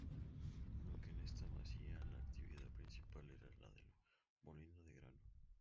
Aunque en esta masía la actividad principal era la del molino de grano.